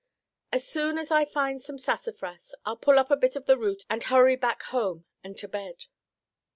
"As soon as I find some sassafras I'll pull up a bit of the root and hurry back home and to bed."